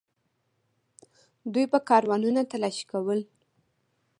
دوی به کاروانونه تالاشي کول.